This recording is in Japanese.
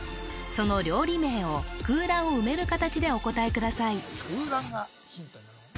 その料理名を空欄を埋める形でお答えください